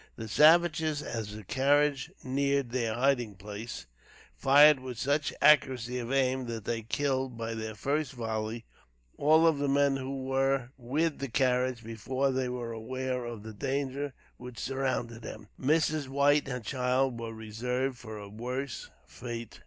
The savages, as the carriage neared their hiding place, fired with such accuracy of aim that they killed, by their first volley, all of the men who were with the carriage before they were aware of the danger which surrounded them. Mrs. White and her child were reserved for a worse fate.